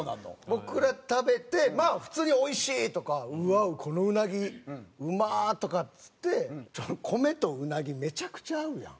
僕ら食べてまあ普通に「おいしい！」とか「うわっこのウナギうまー！」とかっつって米とウナギめちゃくちゃ合うやん。